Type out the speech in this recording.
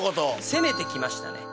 攻めて来ましたね